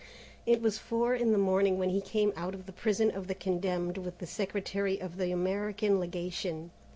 III It was four in the morning when he came out of the Prison of the Condemned with the Secretary of the American Legation.